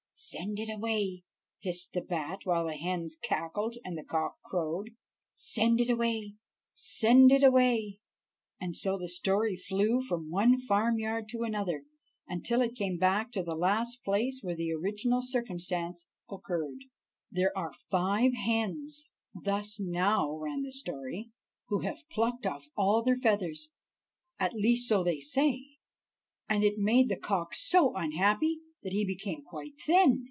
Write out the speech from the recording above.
"Send it away!" hissed the bat, while the hens cackled and the cock crowed. "Send it away! send it away!" and so the story flew from one farm yard to another, until it came back at last to the place where the original circumstance occurred. "There are five hens," thus now ran the story, "who have plucked off all their feathers, at least so they say; and it made the cock so unhappy that he became quite thin.